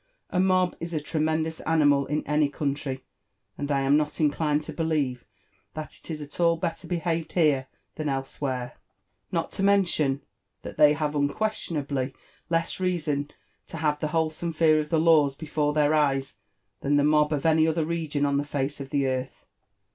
A .mob is a tremendous animal in any country, and I am not inclined to believe that it is at all belter behaved here than elsewhere, — not to mention that they have unquestionably less reason to have the whole some fear of the laws before their eyes than the mob of any other region on the face of the earth.